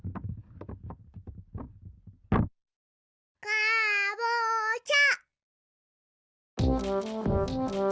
かぼちゃ。